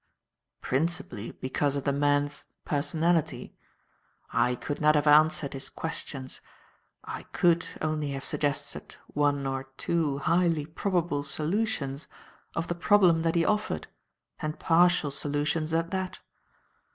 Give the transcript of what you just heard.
"Principally because of the man's personality. I could not have answered his questions; I could, only have suggested one or two highly probable solutions of the problem that he offered and partial solutions at that.